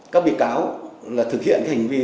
các bị cáo thực hiện hành vi